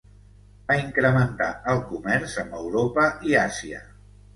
Va incrementar el comerç amb Europa i Àsia.